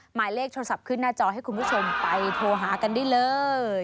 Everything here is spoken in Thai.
หมายเลขโทรศัพท์ขึ้นหน้าจอให้คุณผู้ชมไปโทรหากันได้เลย